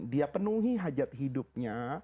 dia penuhi hajat hidupnya